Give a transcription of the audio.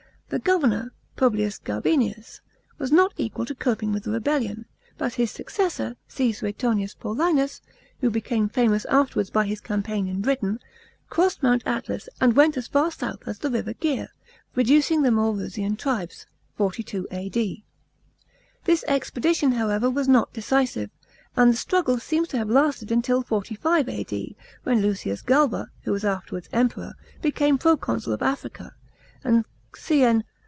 The governor, Publius Gabinius, was not equal to coping with the rebellion ; but his successor, C. Suetonius Paulinus, who became famous after wards by his campaign in Britain, crossed Mount Atlas and went as far south as the river Gir, reducing the Maurusian tribes (42 A.D.). This expedition, however, was not decisive, and the struggle seems to have lasted until 45 A.D., when Lucius Galba (who was afterwards Emperor) became proconsul of Africa, and Cn.